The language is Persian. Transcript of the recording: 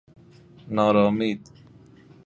نارامید